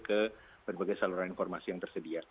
ke berbagai saluran informasi yang tersedia